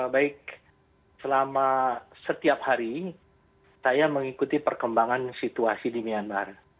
baik selama setiap hari saya mengikuti perkembangan situasi di myanmar